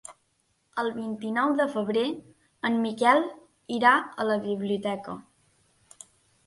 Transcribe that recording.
El vint-i-nou de febrer en Miquel irà a la biblioteca.